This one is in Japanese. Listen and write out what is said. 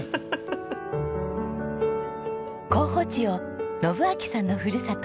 候補地を信秋さんのふるさと